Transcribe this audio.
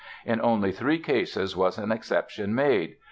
In only three cases was an exception made.